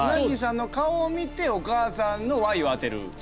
鰻さんの顔を見てお母さんのＹを当てる。